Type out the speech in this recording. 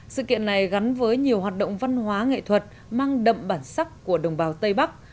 sự kiện này gắn với nhiều hoạt động văn hóa nghệ thuật mang đậm bản sắc của đồng bào tây bắc